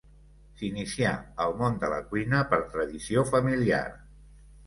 S'inicià al món de la cuina per tradició familiar.